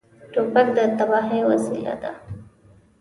توپک د تباهۍ وسیله ده.